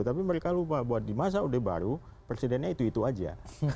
tapi mereka lupa buat di masa odeh baru presidennya itu itu aja